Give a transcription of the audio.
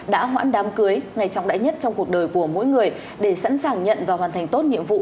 đã hoãn đám cưới ngay trọng đại nhất trong cuộc đời của mỗi người để sẵn sàng nhận và hoàn thành tốt nhiệm vụ